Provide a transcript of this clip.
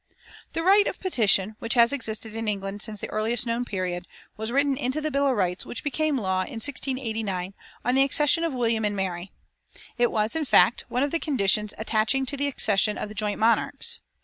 The right of petition, which has existed in England since the earliest known period, was written into the Bill of Rights which became law in 1689 on the accession of William and Mary. It was, in fact, one of the conditions attaching to the accession of the joint monarchs.